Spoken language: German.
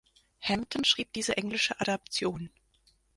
Hampton schrieb diese englische Adaption.